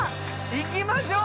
行きましょう！